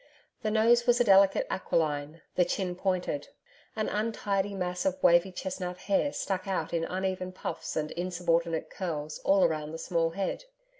The nose was a delicate aquiline, the chin pointed. An untidy mass of wavy chestnut hair stuck out in uneven puffs and insubordinate curls, all round the small head.